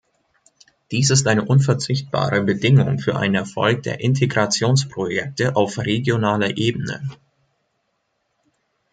Dies ist eine unverzichtbare Bedingung für einen Erfolg der Integrationsprojekte auf regionaler Ebene.